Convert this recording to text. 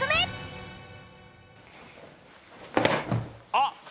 あっ！